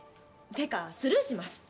ってかスルーします。